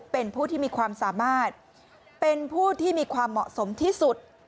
เป็นผู้ที่มีความสามารถเป็นผู้ที่มีความเหมาะสมที่สุด